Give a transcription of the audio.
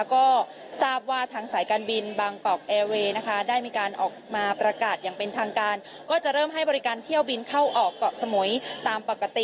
ก็ทราบว่าทางสายการบินบางปลอกแอร์เวย์นะคะ